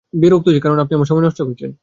বিরক্ত হচ্ছি, কারণ আপনি আমার সময় নষ্ট করছেন।